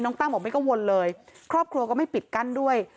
ตั้งบอกไม่กังวลเลยครอบครัวก็ไม่ปิดกั้นด้วย